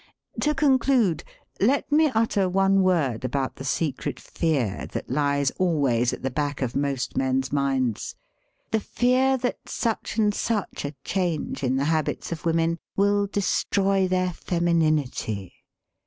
To conclude, let me utter one word about the 'Secret fear that lies always at the back of most men's minds — the fear that such and such a change in the habits of women will destroy their femininity.